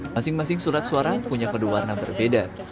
masing masing surat suara punya kode warna berbeda